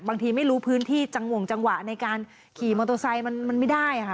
บางทีไม่รู้พื้นที่จังห่วงจังหวะในการขี่มอเตอร์ไซค์มันไม่ได้ค่ะ